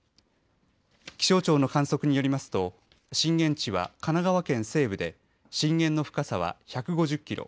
気象庁の観測によりますと震源地は神奈川県西部で震源の深さは１５０キロ。